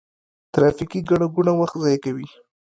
ترافیکي ګڼه ګوڼه وخت ضایع کوي.